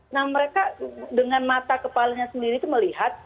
nah mereka dengan mata kepalanya sendiri itu melihat